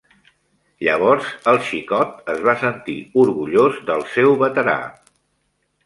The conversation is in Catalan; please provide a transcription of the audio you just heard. Llavors el xicot es va sentir orgullós del seu veterà.